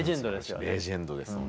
レジェンドですよね。